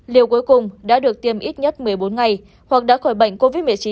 liều cuối cùng đã được tiêm ít nhất một mươi bốn ngày hoặc đã khỏi bệnh covid một mươi chín